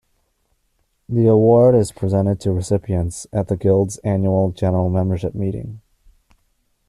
The award is presented to recipients at the Guild's annual general membership meeting.